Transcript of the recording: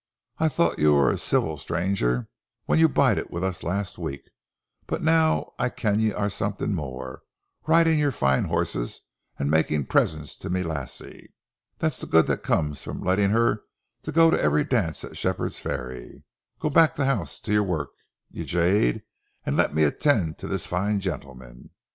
I thocht ye waur a ceevil stranger when ye bided wi' us last week, but noo I ken ye are something mair, ridin' your fine horses an' makin' presents tae ma lassie. That's a' the guid that comes o' lettin' her rin tae every dance at Shepherd's Ferry. Gang ben the house tae your wark, ye jade, an' let me attend tae this fine gentleman.